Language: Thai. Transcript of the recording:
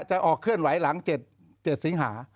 จะออกเคลื่อนไหวหลัง๗สิงหา